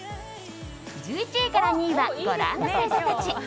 １１位から２位はご覧の星座たち。